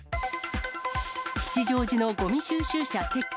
吉祥寺のごみ収集車撤去。